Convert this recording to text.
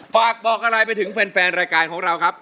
ฝากบอกอะไรไปถึงแฟนรายการของเราครับ